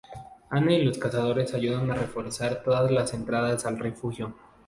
Anne y los adolescentes ayudan a reforzar todas las entradas al refugio.